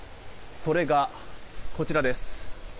それが、こちらです。